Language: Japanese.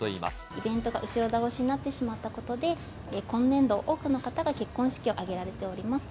イベントが後ろ倒しになってしまったことで、今年度、多くの方が結婚式を挙げられております。